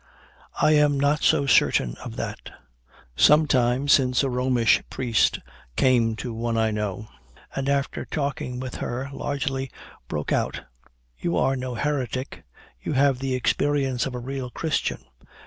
I am not so certain of that. Some time since a Romish priest came to one I know, and after talking with her largely, broke out, 'You are no heretic; you have the experience of a real Christian.'